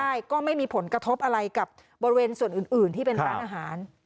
ได้ก็ไม่มีผลกระทบอะไรกับบริเวณส่วนอื่นที่เป็นร้านอาหาร